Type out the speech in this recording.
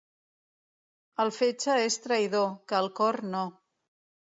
El fetge és traïdor, que el cor no.